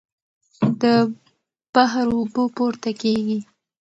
د بحر اوبه پورته کېږي.